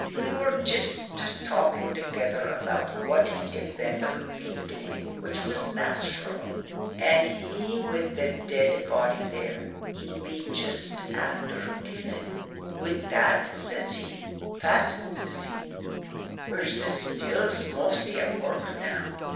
We were jist talking together about what he'd betther be doing, which was nathural, and he with the dead body there, he'd been jist afther killing. Wid that, says he, 'Pat,' says he, 'where's the stills mostly at work now?'